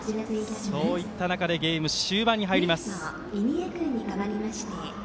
そういった中でゲーム終盤に入ります。